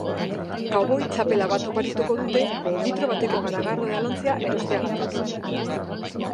Cowboy txapela bat oparituko dute litro bateko garagardo edalontzia erosteagatik.